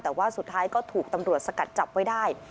แต่ว่าสุดท้ายก็ถูกตำรวจสกัดจับไว้ได้